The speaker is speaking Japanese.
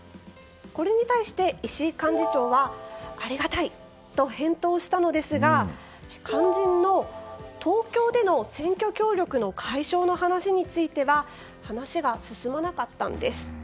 これに対して、石井幹事長はありがたいと返答したのですが肝心の東京での選挙協力の解消の話については話が進まなかったんです。